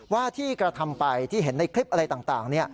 ว่าที่กระทำไปที่เห็นในคลิปอะไรต่าง